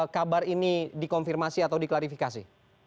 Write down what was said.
kabar ini dikonfirmasi atau diklarifikasi